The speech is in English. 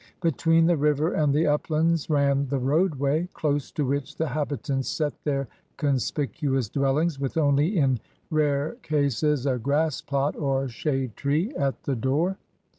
Between the river and the uplands ran the roadway, dose to which the habitants set their conspicuous dwellings with only in rare cases a grass plot or shade tree at the door.